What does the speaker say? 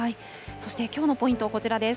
そしてきょうのポイント、こちらです。